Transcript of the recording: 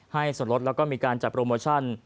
ให้สนลทและก็มีการจัดบริโมชั่น